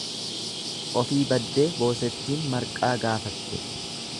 Ofi baddee boosettiin marqaa galaafatte.